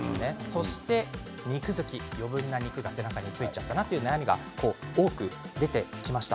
そして、肉づき、余分な肉が背中についちゃったなという悩みが多く出てきました。